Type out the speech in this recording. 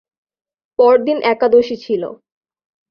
পরদিন একাদশী ছিল।